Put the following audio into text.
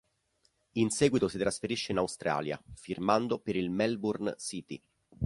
In seguito si trasferisce in Australia firmando per il Melbourne City.